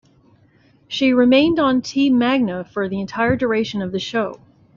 She remained on Team Magna for the entire duration of the show.